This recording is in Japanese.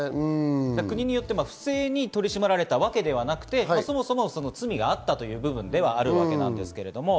国によって不正に取り締まられたわけではなく、そもそも罪があったという部分ではあります。